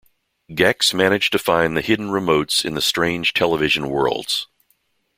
Gex managed to find the hidden remotes in the strange, television worlds.